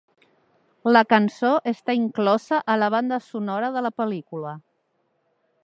La cançó està inclosa a la banda sonora de la pel·lícula.